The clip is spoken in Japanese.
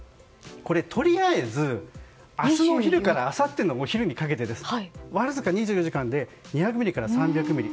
とりあえず明日の昼からあさってのお昼にかけてわずか２４時間で２００ミリから３００ミリ。